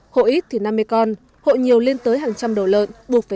hộ ít thì năm mươi con hộ nhiều lên tới hàng trăm đồ lợn